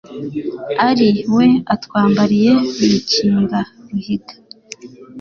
Ari we atwambariye Rukinga Ruhiga.